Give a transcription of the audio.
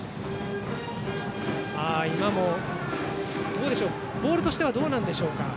今も、ボールとしてはどうでしょうか。